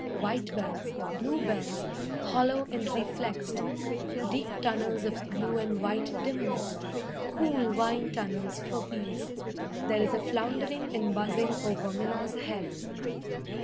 White bells, Blue bells, Hollow and reflexed. Deep tunnels of blue and white dimness, Cool wine tunnels for bees. There is a floundering and buzzing over Minna's head.